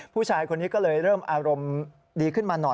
ผู้ชายคนนี้ก็เลยเริ่มอารมณ์ดีขึ้นมาหน่อย